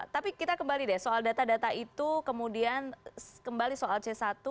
tapi kita kembali deh soal data data itu kemudian kembali soal c satu